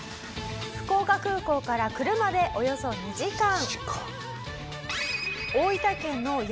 福岡空港から車でおよそ２時間。